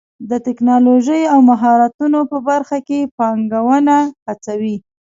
د ټکنالوژۍ او مهارتونو په برخه کې پانګونه هڅوي.